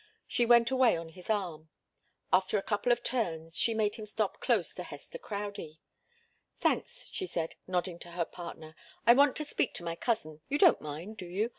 She went away on his arm. After a couple of turns, she made him stop close to Hester Crowdie. "Thanks," she said, nodding to her partner. "I want to speak to my cousin. You don't mind do you?